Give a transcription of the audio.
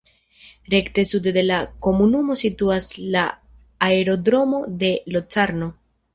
Rekte sude de la komunumo situas la aerodromo de Locarno.